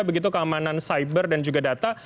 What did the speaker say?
begitu keamanan cyber dan juga data